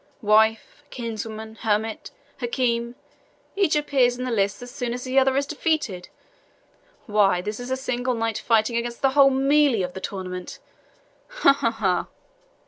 Wife kinswoman hermit Hakim each appears in the lists as soon as the other is defeated! Why, this is a single knight fighting against the whole MELEE of the tournament ha! ha! ha!"